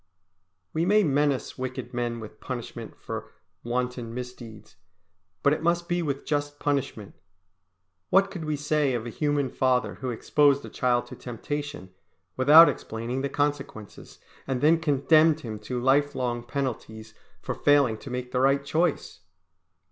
We may menace wicked men with punishment for wanton misdeeds, but it must be with just punishment. What could we say of a human father who exposed a child to temptation without explaining the consequences, and then condemned him to lifelong penalties for failing to make the right choice?